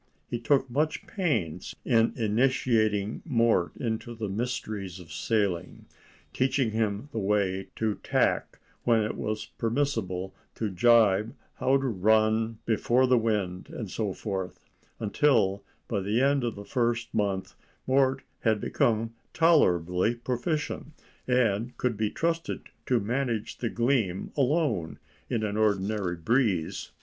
He took much pains in initiating Mort into the mysteries of sailing, teaching him the way to tack, when it was permissible to jibe, how to run before the wind, and so forth, until, by the end of the first month, Mort had become tolerably proficient, and could be trusted to manage the Gleam alone in an ordinary breeze.